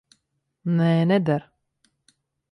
Nē, neder.